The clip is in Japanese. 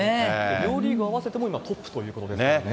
両リーグ合わせても、今トップでしたことですからね。